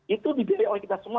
itu dibilih oleh kita semua